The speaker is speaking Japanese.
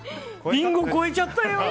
リンゴ超えちゃったよ！